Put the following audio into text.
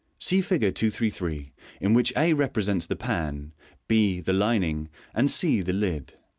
(See Fig. 233, in which a represents the pan, b the lining, and c the lid.)